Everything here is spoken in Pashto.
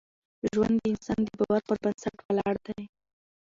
ژوند د انسان د باور پر بنسټ ولاړ دی.